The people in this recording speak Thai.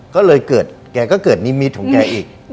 ก็เลยเกิดแกก็เกิดนิมิตของแกอีก